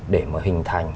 để mà hình thành